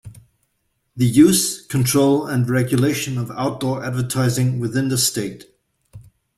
The use, control and regulation of outdoor advertising within the state.